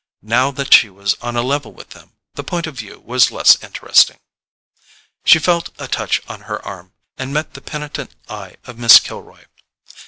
Now that she was on a level with them, the point of view was less interesting. She felt a touch on her arm, and met the penitent eye of Miss Kilroy.